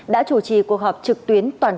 đã chủ trì cuộc họp trực tuyến toàn thể